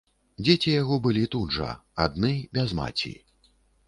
Дзеці яго былі тут жа, адны, без маці.